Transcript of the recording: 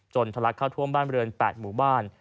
ทะลักเข้าท่วมบ้านเรือน๘หมู่บ้าน